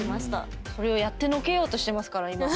それをやってのけようとしてますから今。